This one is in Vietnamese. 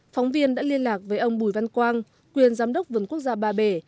phóng viên đã liên lạc với ông bùi văn quang quyền giám đốc vườn quốc gia ba bể